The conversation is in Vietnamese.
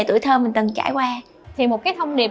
tuổi thơ mình từng trải qua thì một cái thông điệp